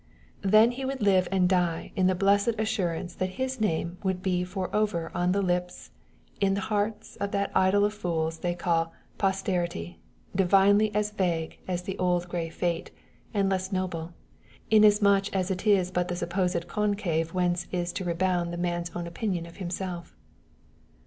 Then would he live and die in the blessed assurance that his name would be for over on the lips and in the hearts of that idol of fools they call posterity divinity as vague as the old gray Fate, and less noble, inasmuch as it is but the supposed concave whence is to rebound the man's own opinion of himself.